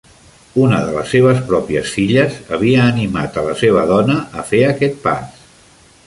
Una de les seves pròpies filles havia animat a la seva dona a fer aquest pas.